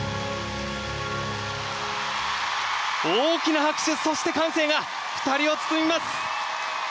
大きな拍手そして歓声が２人を包みます！